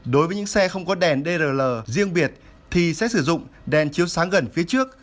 đối với những xe không có đèn drl riêng biệt thì sẽ sử dụng đèn chiếu sáng gần phía trước